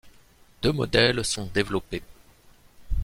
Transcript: Deux modèles sont développés.